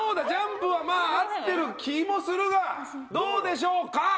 ジャンプはまあ合ってる気もするがどうでしょうか？